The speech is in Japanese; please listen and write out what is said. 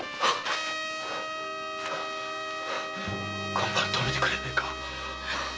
今晩泊めてくれねえか？